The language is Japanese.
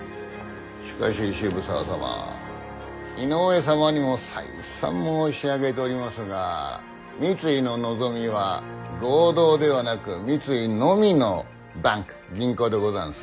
しかし渋沢様井上様にも再三申し上げておりますが三井の望みは合同ではなく三井のみのバンク銀行でござんす。